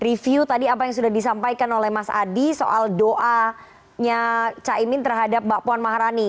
review tadi apa yang sudah disampaikan oleh mas adi soal doanya caimin terhadap mbak puan maharani